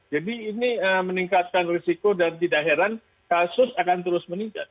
jadi ini meningkatkan resiko dan tidak heran kasus akan terus meningkat